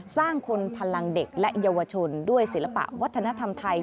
สร้างคนพลังเด็กและเยาวชนด้วยศิลปะวัฒนธรรมไทย